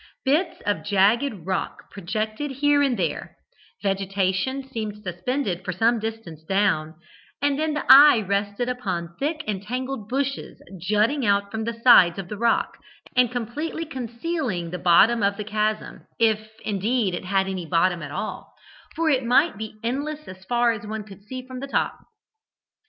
Bits of jagged rock projected here and there; vegetation seemed suspended for some distance down, and then the eye rested upon thick and tangled bushes jutting out from the sides of the rock, and completely concealing the bottom of the chasm, if, indeed, it had any bottom at all, for it might be endless as far as one could see from the top.